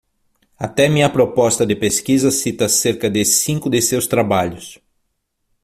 Até minha proposta de pesquisa cita cerca de cinco de seus trabalhos.